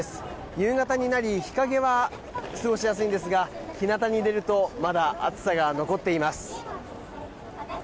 夕方になり日陰は過ごしやすいんですが日なたに出るとまだ暑さが残っています。